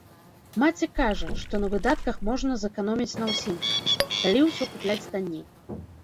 Маці кажа, што на выдатках можна зэканоміць на ўсім, калі ўсе купляць танней.